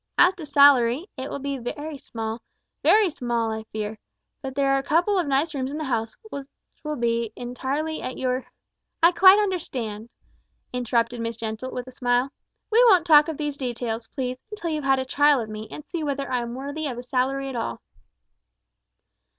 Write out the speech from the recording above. As to salary: it will be small, very small, I fear; but there are a couple of nice rooms in the house, which will be entirely at your " "I quite understand," interrupted Miss Gentle, with a smile. "We won't talk of these details, please, until you have had a trial of me, and see whether I am worthy of a salary at all!"